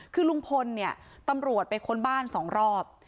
คือลุงพลเนี่ยตำรวจไปค้นบ้าน๒รอบ